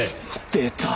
出た。